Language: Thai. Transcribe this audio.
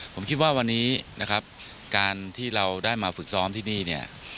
ผมคิดว่าวันนี้นะครับการที่เราได้มาฝึกซ้อมที่นี่เนี่ย